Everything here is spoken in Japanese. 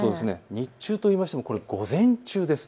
日中といいましてもこれは午前中です。